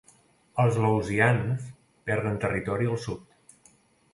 Els laosians perden territori al sud.